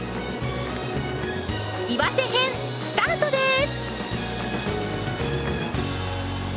岩手編スタートです！